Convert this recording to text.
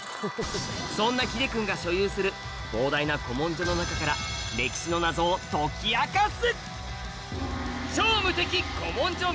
そんな秀君が所有する膨大な古文書の中から歴史の謎を解き明かす！